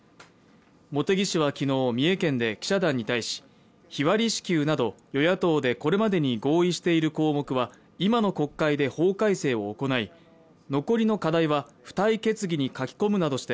茂木氏は昨日、三重県で記者団に対し日割り支給など、与野党でこれまでに合意している項目は今の国会で法改正を行い残りの課題は付帯決議に書き込むなどして